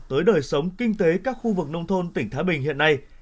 tới đời sống kinh tế các khu vực nông thôn tỉnh thái bình hiện nay